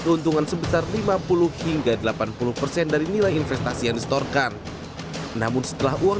keuntungan sebesar lima puluh hingga delapan puluh persen dari nilai investasi yang disetorkan namun setelah uang